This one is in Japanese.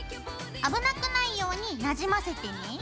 危なくないようになじませてね。